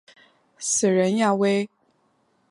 死人呀喂！